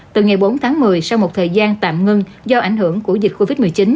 từ ngày bốn tháng một mươi sau một thời gian tạm ngưng do ảnh hưởng của dịch covid một mươi chín